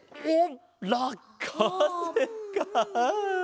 おっ！